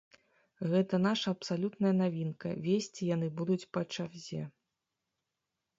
Гэта наша абсалютная навінка, весці яны будуць па чарзе.